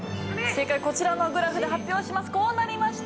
正解はこちらのグラフで発表します。